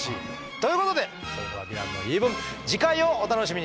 ということでそれでは「ヴィランの言い分」次回をお楽しみに。